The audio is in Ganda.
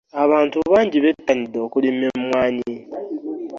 Abantu bangi betanidde okulima emwanyi.